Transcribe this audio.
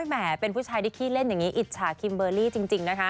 แหมเป็นผู้ชายที่ขี้เล่นอย่างนี้อิจฉาคิมเบอร์รี่จริงนะคะ